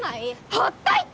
ほっといて！